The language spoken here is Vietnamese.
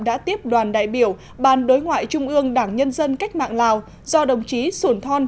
đã tiếp đoàn đại biểu ban đối ngoại trung ương đảng nhân dân cách mạng lào do đồng chí sổn thon